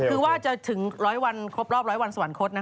นี่คือว่าจะถึงรอบร้อยวันสวรรคต